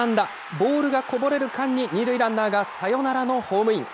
ボールがこぼれる間に２塁ランナーがサヨナラのホームイン。